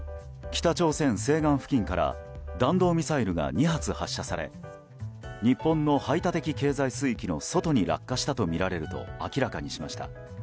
北朝鮮西岸付近から弾道ミサイルが２発発射され日本の排他的経済水域の外に落下したとみられると明らかにしました。